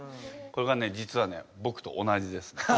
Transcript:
これがね実はねぼくと同じです。え！？